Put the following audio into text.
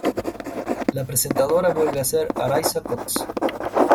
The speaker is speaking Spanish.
La presentadora vuelve a ser Arisa Cox.